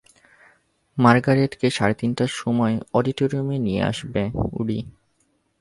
Margaret কে সাড়ে তিনটার সময় অডিটোরিয়ামে নিয়ে আসবে, উডি।